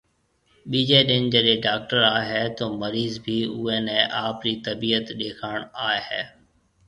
ٻِيجيَ ڏن جڏي ڊاڪٽر آئي هيَ تو مريض ڀِي اُوئي نَي آپرِي تبِيت ڏيکاڻ آئي هيَ۔